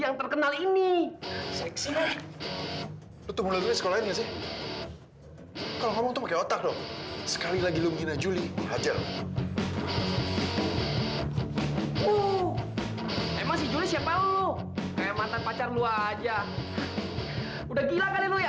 ya tapi kita berdua tau ya